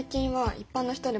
一般の人が？